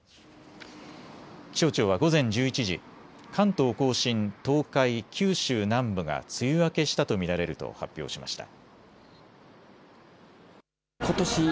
気象庁は午前１１時、関東甲信、東海、九州南部が梅雨明けしたと見られると発表しました。